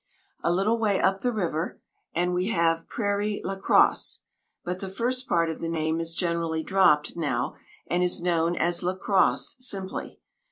A little way up the river, and we have "Prairie La Crosse," but the first part of the name is generally dropped now, and it is known as La Crosse simply.